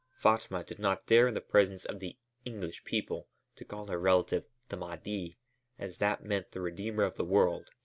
Fatma did not dare in the presence of the "English people" to call her relative "the Mahdi," as that meant the Redeemer of the world.